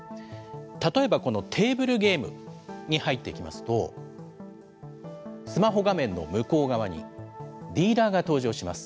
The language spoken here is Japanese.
例えば、このテーブルゲームに入っていきますとスマホ画面の向こう側にディーラーが登場します。